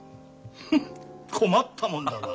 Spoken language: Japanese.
フッ困ったもんだな。